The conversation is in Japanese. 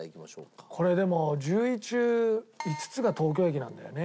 これでも１０位中５つが東京駅なんだよね？